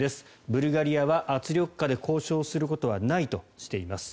ブルガリアは圧力下で交渉することはないとしています。